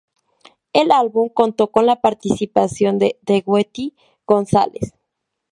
El álbum contó con la participación de Tweety González.